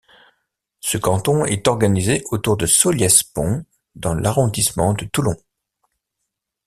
Ce canton est organisé autour de Solliès-Pont dans l'arrondissement de Toulon.